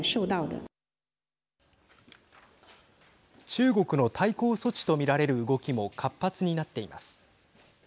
中国の対抗措置と見られる動きも活発になっています。